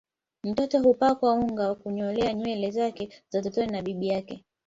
Mtoto hupakwa unga na kunyolewa nywele zake za utotoni na bibi yake